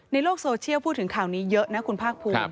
ในโลกโซเชียลพูดถึงข่าวนี้เยอะนะคุณภาคภูมิ